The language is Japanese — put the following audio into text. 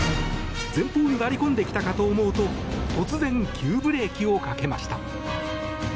前方に割り込んできたかと思うと突然、急ブレーキをかけました。